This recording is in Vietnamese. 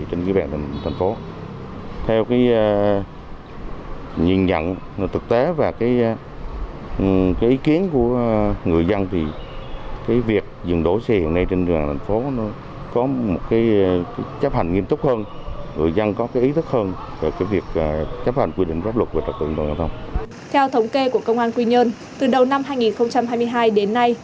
theo thống kê của công an quy nhơn từ đầu năm hai nghìn hai mươi hai đến nay